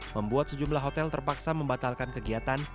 membuat sejumlah hotel terpaksa membatalkan kegiatan